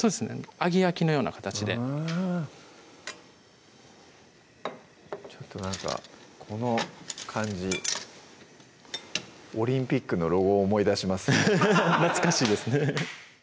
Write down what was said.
揚げ焼きのような形でちょっとなんかこの感じオリンピックのロゴを思い出しますね懐かしいですね